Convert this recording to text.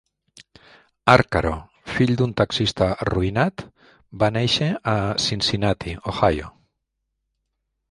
Arcaro, fill d'un taxista arruïnat, va néixer a Cincinnati, Ohio.